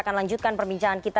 selamat malam gus jazil